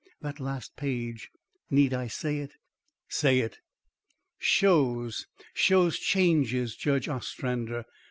That last page need I say it?" "Say it." "Shows shows changes, Judge Ostrander.